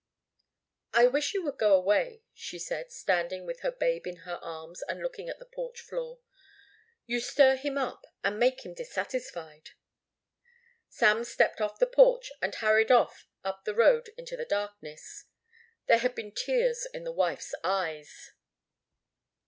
"I wish you would go away," she said, standing with her babe in her arms and looking at the porch floor. "You stir him up and make him dissatisfied." Sam stepped off the porch and hurried off up the road into the darkness. There had been tears in the wife's eyes.